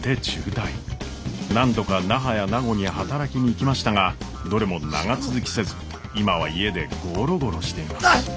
何度か那覇や名護に働きに行きましたがどれも長続きせず今は家でゴロゴロしています。